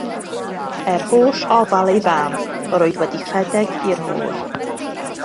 Er holl ofal ei fam, yr oedd wedi rhedeg i'r môr.